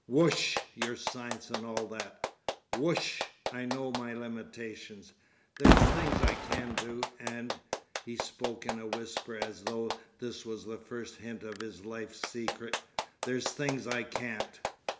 "Wo oo oo osh! Your science and all that! Wo oo oo osh! I know my limitations. There's things I can do, and" (he spoke in a whisper, as though this was the first hint of his life's secret) "there's things I can't.